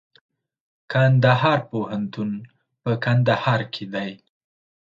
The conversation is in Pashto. کندهار پوهنتون په کندهار کي دئ.